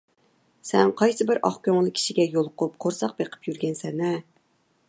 سەن قايسىبىر ئاق كۆڭۈل كىشىگە يولۇقۇپ، قورساق بېقىپ يۈرگەنسەن - ھە!